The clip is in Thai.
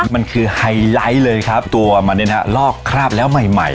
มันคือไฮไลท์เลยครับตัวมันเนี่ยนะลอกคราบแล้วใหม่